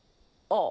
ああ。